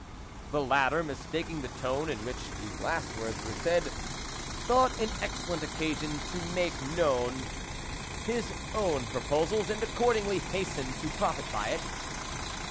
The latter, mistaking the tone in which these last words were said, thought it an excellent occasion to make known his own proposals, and accordingly hastened to profit by it.